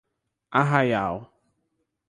Arraial